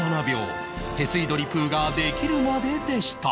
屁吸い鳥プーができるまででした